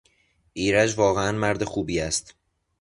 ایرج واقعا مردخوبی است.